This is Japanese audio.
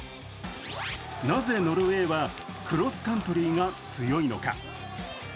なぜノルウェーはクロスカントリーが強いのか。